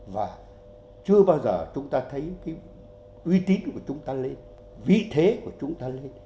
và chưa bao giờ chúng ta thấy cái uy tín của chúng ta lên vị thế của chúng ta lên